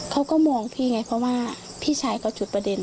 เขาก็มองพี่ไงเพราะว่าพี่ชายเขาจุดประเด็น